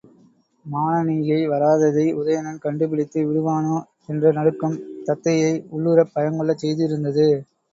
மானனீகை வராததை உதயணன் கண்டுபிடித்து விடுவானோ? என்ற நடுக்கம் தத்தையை உள்ளுறப் பயங்கொள்ளச் செய்திருந்தது.